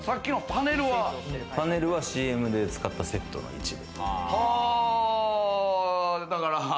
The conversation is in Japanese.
パネルはＣＭで使ったセットの一部。